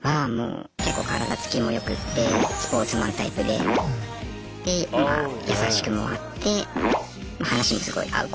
結構体つきも良くってスポーツマンタイプでで優しくもあって話もすごい合う子ですね。